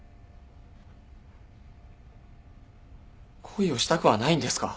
恋をしたくはないんですか？